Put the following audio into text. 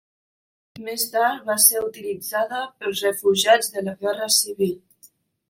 Més tard va ser utilitzada pels refugiats de la Guerra Civil.